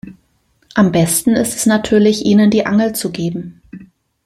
Am besten ist es natürlich, ihnen die Angel zu geben.